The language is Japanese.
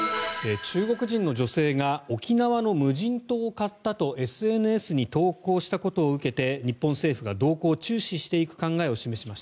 中国人の女性が沖縄の無人島を買ったとＳＮＳに投稿したことを受けて日本政府が動向を注視していく考えを示しました。